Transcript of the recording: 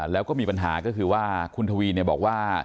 แล้วก็มีปัญหาก็คือว่าคุณทวีบอกว่า